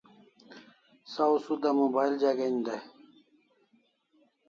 Saw suda mobile jagen day